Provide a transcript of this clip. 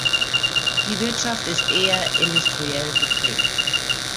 Die Wirtschaft ist eher industriell geprägt.